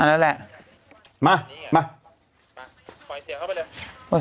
เอาแล้วแหละมามา